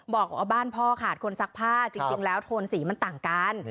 บอกว่าบ้านพ่อขาดคนซักผ้าจริงแล้วโทนสีมันต่างกัน